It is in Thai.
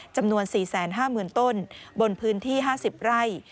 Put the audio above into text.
จำนวน๔๕๐๐๐ต้นบนพื้นที่๕๐ไร่